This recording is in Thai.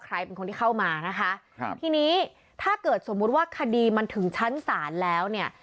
ใครเป็นคนที่เข้ามานะคะครับทีนี้ถ้าเกิดสมมุติว่าคดีมันถึงชั้นศาลแล้วเนี่ย